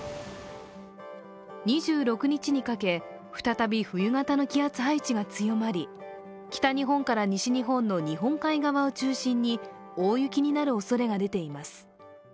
２６日にかけ、再び冬型の気圧配置が強まり北日本から西日本の日本海側を中心に大雪になるおそれが出ています。